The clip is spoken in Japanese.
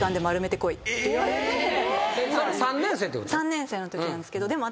３年生のときなんですけどでも。